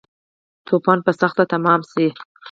توپان به سخت تمام شی